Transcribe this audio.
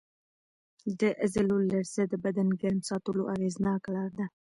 د عضلو لړزه د بدن ګرم ساتلو اغېزناکه لار ده.